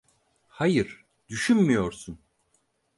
Hayır, düşünmüyorsun.